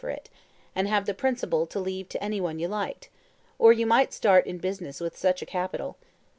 for it, and have the principal to leave to any one you liked; or you might start in business with such a capital.